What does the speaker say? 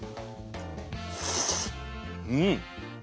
うん！